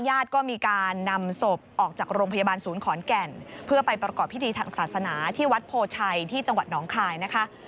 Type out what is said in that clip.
ญาติก็มีการนำศพออกจากโรงพยาบาลศูนย์ขอนแก่นเพื่อไปประกอบพิธีทางศาสนาที่วัดโพชัยที่จังหวัดหนองคายนะคะ